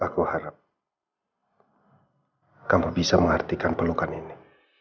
aku harap kamu bisa mengartikan pelukan ini